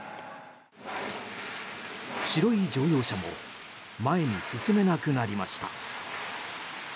白い乗用車も前に進めなくなりました。